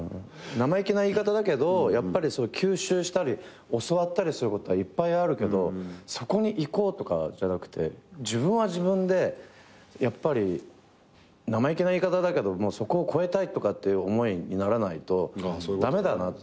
生意気な言い方だけど吸収したり教わったりすることはいっぱいあるけどそこにいこうとかじゃなくて自分は自分で生意気な言い方だけどそこを超えたいって思わないと駄目だなって。